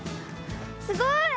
すごい。